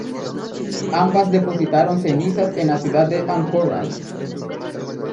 Ambas depositaron cenizas en la ciudad de Anchorage.